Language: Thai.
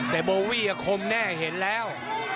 แต่โบวี่อาคมแน่เห็นแล้ว